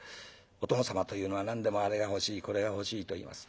お殿様というのは何でもあれが欲しいこれが欲しいと言います。